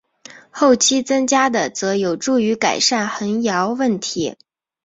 后期增加的则有助于改善横摇问题。